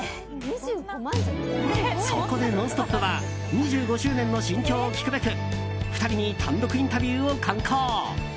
そこで「ノンストップ！」は２５周年の心境を聞くべく２人に単独インタビューを敢行。